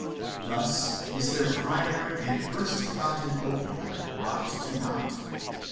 Thus is their primary and first begotten Ogdoad brought to nought.